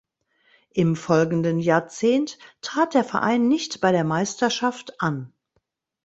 Im folgenden Jahrzehnt trat der Verein nicht bei der Meisterschaft an.